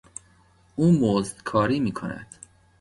او مزدکاری میکند.